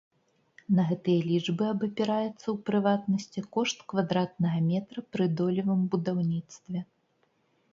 На гэтыя лічбы абапіраецца, у прыватнасці, кошт квадратнага метра пры долевым будаўніцтве.